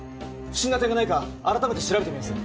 不審な点がないか改めて調べてみます